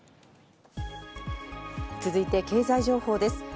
続いて経済情報です。